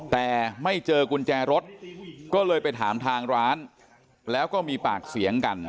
แต่ไม่เจอกุญแจรถก็เลยไปถามทางร้านแล้วก็มีปากเสียงกัน